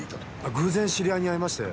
偶然知り合いに会いまして。